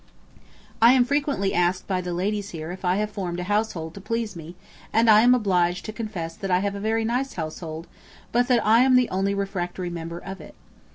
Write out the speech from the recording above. I am frequently asked by the ladies here if I have formed a household to please me and I am obliged to confess that I have a very nice household, but that I am the only refractory member of it.